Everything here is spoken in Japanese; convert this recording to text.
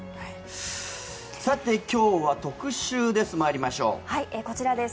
さて、今日は特集です。